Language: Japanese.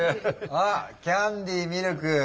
あキャンディミルク。